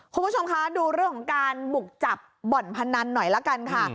คุณผู้ชมคะดูเรื่องของการบุกจับบ่อนพนันหน่อยละกันค่ะ